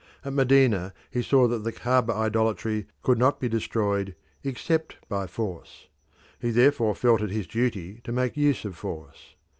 At Medina he saw that the Caaba idolatry could not be destroyed except by force; he therefore felt it his duty to make use of force.